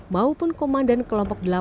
maupun komandan kelompok delapan